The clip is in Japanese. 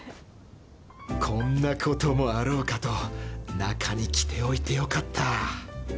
こんなこともあろうかと中に着ておいてよかった